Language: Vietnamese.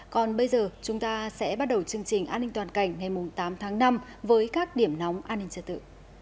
còn bây giờ chúng ta sẽ bắt đầu chương trình an ninh toàn cảnh ngày tám tháng năm với các điểm nóng an ninh trật tự